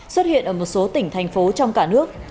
xuất hiện ở một số tỉnh thành phố trong cả nước